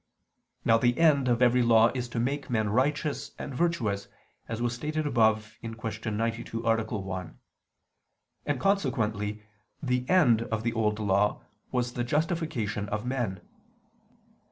Now the end of every law is to make men righteous and virtuous, as was stated above (Q. 92, A. 1): and consequently the end of the Old Law was the justification of men.